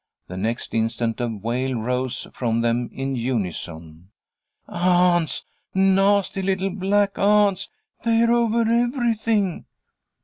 The next instant a wail rose from them in unison: "Ants! Nasty little black ants! They're over everything!"